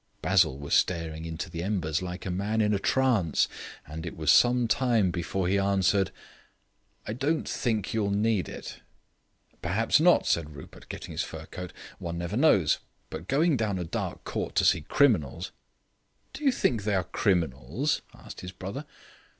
Basil was staring into the embers like a man in a trance; and it was some time before he answered: "I don't think you'll need it." "Perhaps not," said Rupert, getting into his fur coat. "One never knows. But going down a dark court to see criminals " "Do you think they are criminals?" asked his brother.